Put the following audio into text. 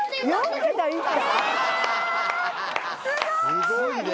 すごいね。